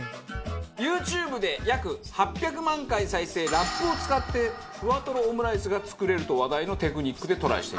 ＹｏｕＴｕｂｅで約８００万回再生ラップを使ってふわとろオムライスが作れると話題のテクニックでトライしてみましょう。